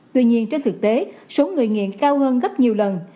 tuy nhiên trên thực tế số người nghiện cao hơn gấp nhiều lần